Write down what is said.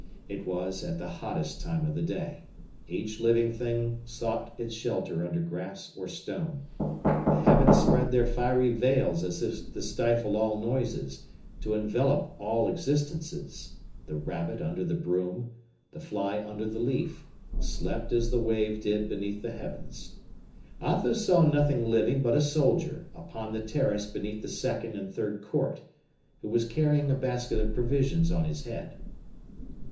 It was at the hottest time of the day. Each living thing sought its shelter under grass or stone. The heavens spread their fiery veils as if to stifle all noises, to envelop all existences; the rabbit under the broom, the fly under the leaf, slept as the wave did beneath the heavens. Athos saw nothing living but a soldier, upon the terrace beneath the second and third court, who was carrying a basket of provisions on his head.